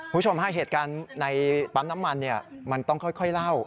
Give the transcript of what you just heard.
คุณผู้ชมฮะเหตุการณ์ในปั๊มน้ำมันมันต้องค่อยเล่า